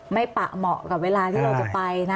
ปะเหมาะกับเวลาที่เราจะไปนะ